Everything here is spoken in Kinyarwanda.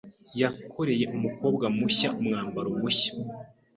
Yakoreye umukobwa mushya umwambaro mushya.